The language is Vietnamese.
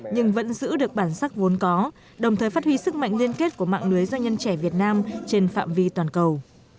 nhưng vẫn giữ được bản sắc vốn có đồng thời phát huy sức mạnh liên kết của mạng lưới doanh nhân trẻ việt nam trên phạm vi toàn cầu